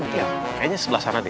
kayaknya sebelah sana deh